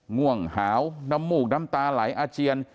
ง่วงหาวน้ำมูกน้ำตาไหลอาเจียน